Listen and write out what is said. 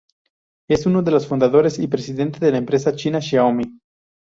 Es uno de los cofundadores y presidente de la empresa china Xiaomi.